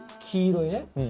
黄色いね。